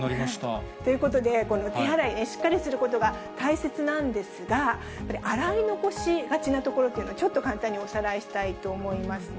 ということで、この手洗い、しっかりすることが大切なんですが、やっぱり洗い残しがちな所っていうのをちょっと簡単におさらいしたいと思いますね。